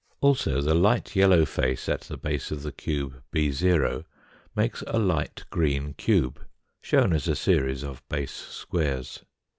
Also the light yellow face at the base of the cube 6 , makes a light green cube, shown as a series of base squares.